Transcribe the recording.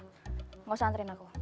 enggak usah nganterin aku